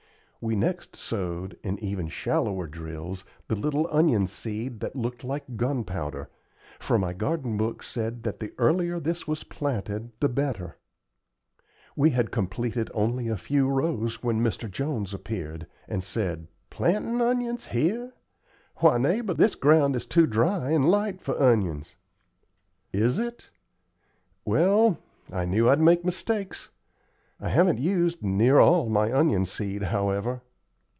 We next sowed, in even shallower drills, the little onion seed that looked like gunpowder, for my garden book said that the earlier this was planted the better. We had completed only a few rows when Mr. Jones appeared, and said: "Plantin' onions here? Why, neighbor, this ground is too dry and light for onions." "Is it? Well, I knew I'd make mistakes. I haven't used near all my onion seed yet, however."